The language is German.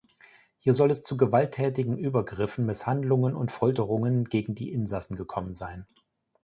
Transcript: Hier soll es zu gewalttätigen Übergriffen, Misshandlungen und Folterungen gegen die Insassen gekommen sein.